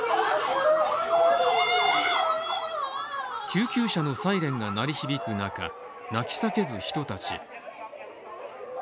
救急車のサイレンが鳴り響く中泣き叫ぶ人たち。